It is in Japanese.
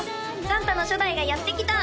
サンタの初代がやって来た！